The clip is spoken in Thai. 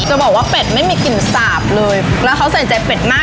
จะบอกว่าเป็ดไม่มีกลิ่นสาบเลยแล้วเขาใส่ใจเป็ดมาก